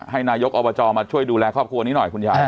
นายกอบจมาช่วยดูแลครอบครัวนี้หน่อยคุณยาย